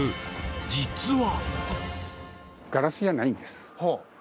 実は。